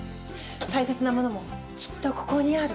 大切なモノもきっとここにある。